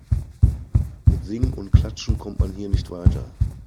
Mit Singen und Klatschen kommt man hier nicht weiter.